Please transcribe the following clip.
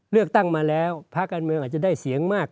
เลือกตั้งมาแล้วภาคการเมืองอาจจะได้เสียงมาก